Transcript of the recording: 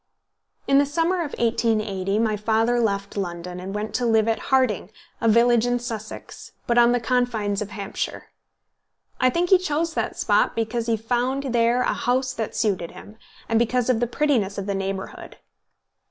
In the summer of 1880 my father left London, and went to live at Harting, a village in Sussex, but on the confines of Hampshire. I think he chose that spot because he found there a house that suited him, and because of the prettiness of the neighbourhood.